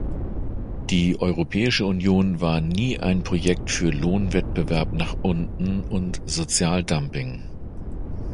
Die Europäische Union war nie ein Projekt für Lohnwettbewerb nach unten und Sozialdumping.